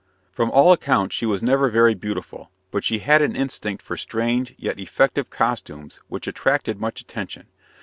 From all accounts, she was never very beautiful; but she had an instinct for strange, yet effective, costumes, which attracted much attention.